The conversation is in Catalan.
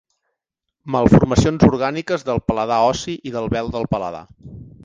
Malformacions orgàniques del paladar ossi i del vel del paladar.